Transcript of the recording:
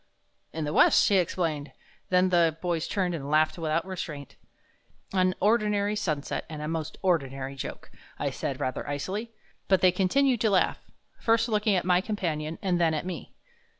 "In the west," he explained. Then the boys turned and laughed without restraint. "An ordinary sunset and a most ordinary joke," I said, rather icily. But they continued to laugh, first looking at my companion and then at me.